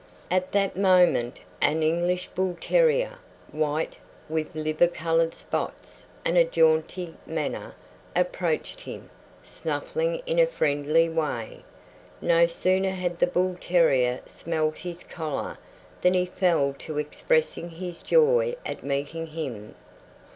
At that moment an English bull terrier, white, with liver colored spots and a jaunty manner, approached him, snuffling in a friendly way. No sooner had the bull terrier smelt his collar than he fell to expressing his joy at meeting him.